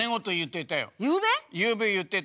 ゆうべ言ってた。